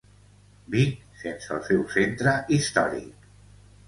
Vic sense el seu centre històric.